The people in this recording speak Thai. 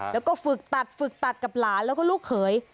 แล้วก็ฝึกตัดฝึกตัดกับหลานแล้วก็ลูกเขย